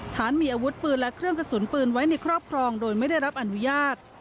ฐานมีอาวุธปืนและเครื่องกระสุนปืนไว้ในครอบครองโดยไม่ได้รับอนุญาต